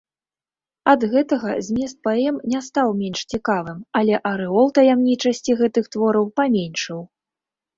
Ад гэтага змест паэм не стаў менш цікавым, але арэол таямнічасці гэтых твораў паменшыў.